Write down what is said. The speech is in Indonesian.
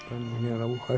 ya allah ya tuhan